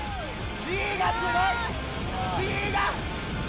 ・ＧがすごいＧが！